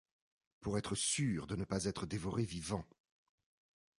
Pour être sûr de ne pas être dévoré vivant!